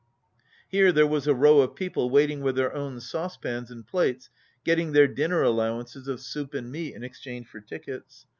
Here there was a row of people waiting with their own saucepans and plates, getting their dinner allowances of soup and meat in exchange for tickets.